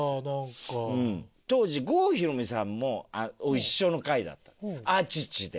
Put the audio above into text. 当時郷ひろみさんも一緒の回だった「ＡＣＨＩＣＨＩ」で。